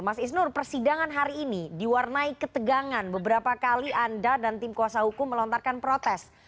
mas isnur persidangan hari ini diwarnai ketegangan beberapa kali anda dan tim kuasa hukum melontarkan protes